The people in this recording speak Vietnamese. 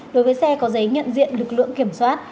đối với xe có giấy nhận diện lực lượng kiểm soát